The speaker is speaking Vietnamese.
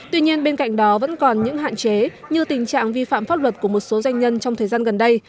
tuy nhiên bên cạnh đó vẫn còn những hạn chế như tình trạng vi phạm pháp luật của một số doanh nhân trong thời gian gần đây